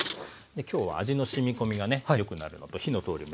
今日は味のしみ込みがね良くなるのと火の通りも良くなる。